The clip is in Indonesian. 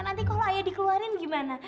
nanti kalau ayah dikeluarin gimana